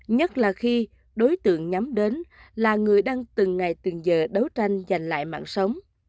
nhất là khi đối tượng nhắm đến là người đang từng ngày từng giờ đấu tranh giành lại mạng sống